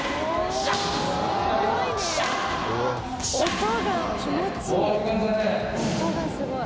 音が気持ちいい。